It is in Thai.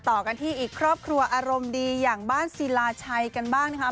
ต่อกันที่อีกครอบครัวอารมณ์ดีอย่างบ้านศิลาชัยกันบ้างนะคะ